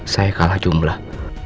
saya kalah jumlah